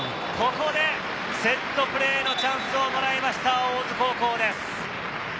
ここでセットプレーのチャンスをもらいました、大津高校です。